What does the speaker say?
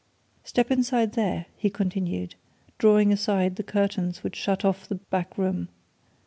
Step inside there," he continued, drawing aside the curtains which shut off the back room.